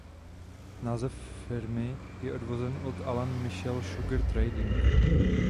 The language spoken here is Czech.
Název firmy je odvozen od "Alan Michael Sugar Trading".